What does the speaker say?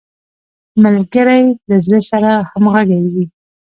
ملګری له زړه سره همږغی وي